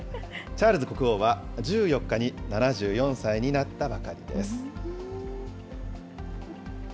チャールズ国王は１４日に７４歳になったばかりです。